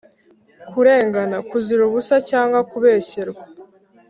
kurengana: kuzira ubusa cyangwa kubeshyerwa